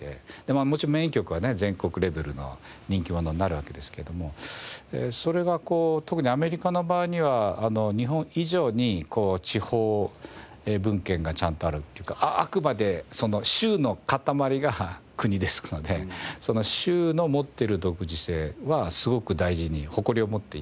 もちろんメイン局はね全国レベルの人気者になるわけですけどもそれがこう特にアメリカの場合には日本以上に地方分権がちゃんとあるというかあくまでその州の固まりが国ですのでその州の持ってる独自性はすごく大事に誇りを持っていて。